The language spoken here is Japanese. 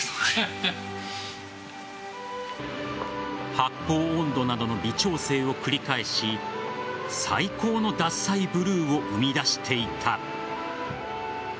発酵温度などの微調整を繰り返し最高の獺祭ブルーを生み出していた。